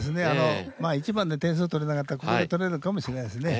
まあ１番で点数を取れなかったからここで取れるかもしれないですね。